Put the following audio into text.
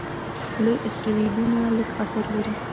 لوی اسټروېډونه لږ خطر لري.